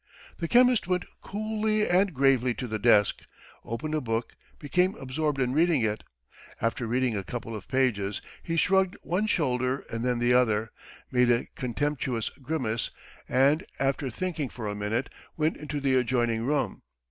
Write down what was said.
The chemist went coolly and gravely to the desk, opened a book, became absorbed in reading it. After reading a couple of pages he shrugged one shoulder and then the other, made a contemptuous grimace and, after thinking for a minute, went into the adjoining room.